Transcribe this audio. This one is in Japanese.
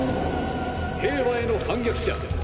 平和への反逆者